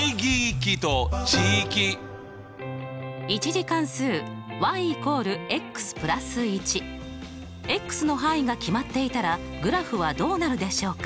１次関数＝＋１。の範囲が決まっていたらグラフはどうなるでしょうか？